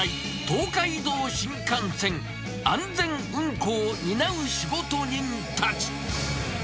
東海道新幹線、安全運行を担う仕事人たち。